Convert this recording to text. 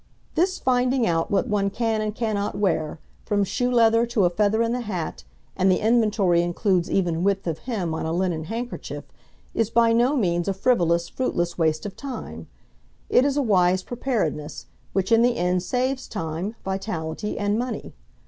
This finding out what one can and cannot wear, from shoe leather to a feather in the hat (and the inventory includes even width of hem on a linen handkerchief), is by no means a frivolous, fruitless waste of time; it is a wise preparedness, which in the end saves time, vitality and money.